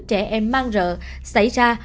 trẻ em mang rợ xảy ra